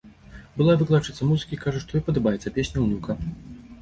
Былая выкладчыца музыкі кажа, што ёй падабаецца песня ўнука.